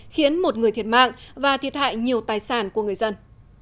khiến một người thiệt mạng và thiệt hại nhiều tài sản của người dân